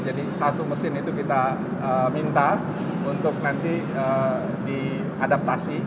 jadi satu mesin itu kita minta untuk nanti diadaptasi